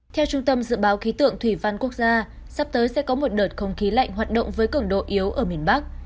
theo trung tâm dự báo khí tượng thủy văn quốc gia sắp tới sẽ có một đợt không khí lạnh hoạt động với cứng độ yếu ở miền bắc